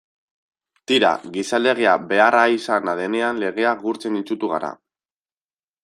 Tira, gizalegea beharrizana denean legea gurtzen itsutu gara.